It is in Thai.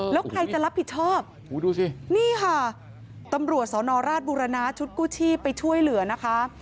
แล้วใครจะรับผิดชอบดูสินี่ค่ะตำรวจสนราชบุรณาชุดกู้ชีพไปช่วยเหลือนะคะ